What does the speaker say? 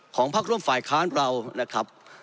พักร่วมฝ่ายค้านเรานะครับ